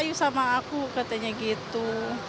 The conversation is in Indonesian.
kayu sama aku katanya gitu